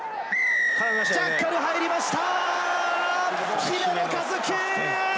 ジャッカル入りました。